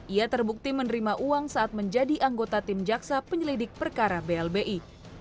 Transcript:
ia terbukti menerima uang saat menjadi anggota tim jaksa penyelidik perkara blbi